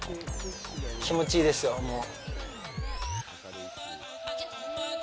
気持ちいいですよ、もう。